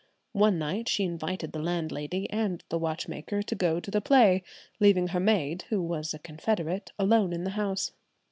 One night she invited the landlady and the watchmaker to go to the play, leaving her maid, who was a confederate, alone in the house.